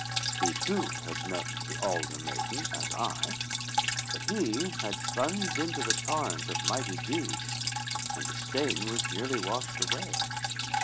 He, too, had met the Alder maiden as I, but he had plunged into the torrent of mighty deeds, and the stain was nearly washed away.